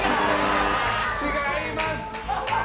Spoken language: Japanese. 違います！